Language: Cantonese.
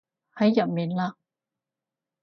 喺入面嘞